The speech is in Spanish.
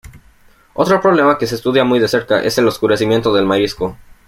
Otro problema que se estudia muy de cerca es el oscurecimiento del marisco.